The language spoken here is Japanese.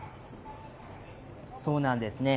そうなんですね。